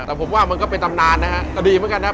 แต่ผมว่ามันก็เป็นตำนานนะฮะก็ดีเหมือนกันนะครับ